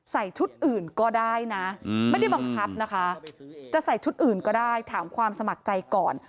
ชุดอื่นก็ได้นะไม่ได้บังคับนะคะจะใส่ชุดอื่นก็ได้ถามความสมัครใจก่อน